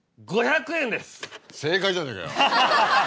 正解じゃないかよ。